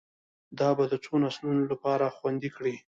دا به د څو نسلونو لپاره خوندي کړي